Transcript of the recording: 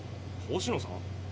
星野さん？